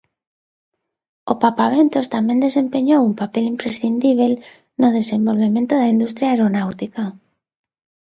O papaventos tamén desempeñou un papel imprescindíbel no desenvolvemento da industria aeronáutica.